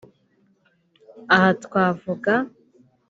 Aha twavuga